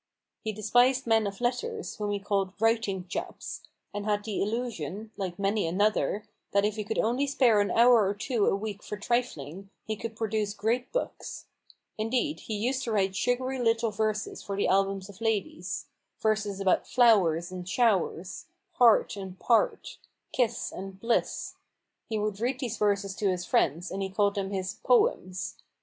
He despised men of letters, whom he called "writing chaps," and had the illusion (like many another !) that if he could only spare an hour HUGO RAVENS HAND, I47 » or two a week for trifling, he could produce great books. Indeed, he used to write sugary little verses for the albums of ladies — verses about "flowers" and " showers," "heart" and "part," " kiss " and "bliss." He would read these verses to his friends, and he called them his "poems."